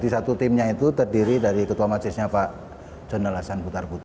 satu timnya itu terdiri dari ketua majelisnya pak jendral hasan butar butar